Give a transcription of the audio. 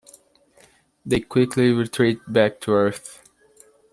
They quickly retreat back to Earth.